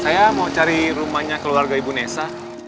saya mau cari rumahnya keluarga ibu nessa